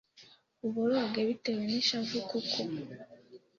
uboroge bitewe n ishavu kuko